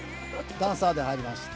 ダンサーで入りました。